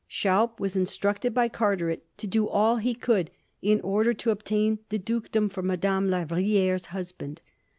Schaub was instructed by Carteret to do all he could in order to obtain the dukedom for Madame La VrUliere's husband.